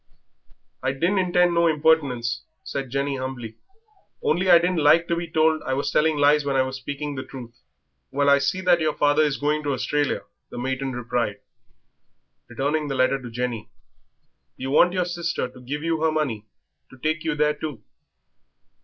"I didn't intend no impertinence," said Jenny humbly, "only I didn't like to be told I was telling lies when I was speaking the truth." "Well, I see that your father is going to Australia," the matron replied, returning the letter to Jenny; "you want your sister to give you her money to take you there too."